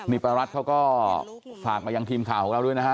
นี่ป้ารัฐเขาก็ฝากมายังทีมข่าวของเราด้วยนะฮะ